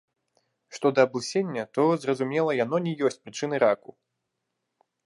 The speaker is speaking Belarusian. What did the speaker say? Што да аблысення, то, зразумела, яно не ёсць прычынай раку.